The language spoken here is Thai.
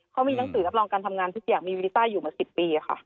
เขามีหนังสือรับรองการทำงานทุกอย่างมีวีซ่าอยู่มา๑๐ปีค่ะ